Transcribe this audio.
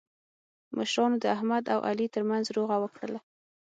مشرانو د احمد او علي ترمنځ روغه وکړله.